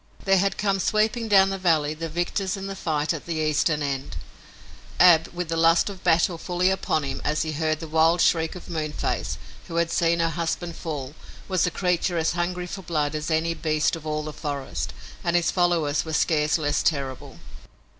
There had come sweeping down the valley the victors in the fight at the Eastern end. Ab, with the lust of battle fully upon him as he heard the wild shriek of Moonface, who had seen her husband fall, was a creature as hungry for blood as any beast of all the forest, and his followers were scarce less terrible.